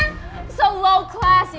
gak kelas kelas tau gak